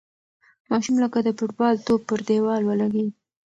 ماشوم لکه د فوټبال توپ پر دېوال ولگېد.